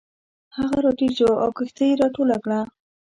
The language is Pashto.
هغه راټیټ شو او کښتۍ یې راټوله کړه.